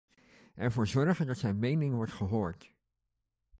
Ervoor zorgen dat zijn mening wordt gehoord.